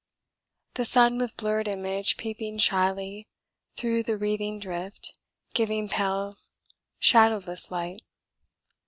The sun with blurred image peeping shyly through the wreathing drift giving pale shadowless light.